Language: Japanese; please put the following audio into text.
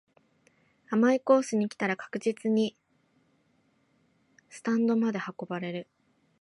甘いコースに来たら確実にスタンドまで運ばれる